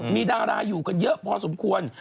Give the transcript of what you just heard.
มีดาราอยู่กันเยอะพอสมควร